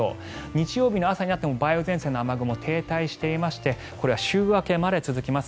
日曜日の朝になっても梅雨前線の雨雲停滞していましてこれは週明けまで続きます。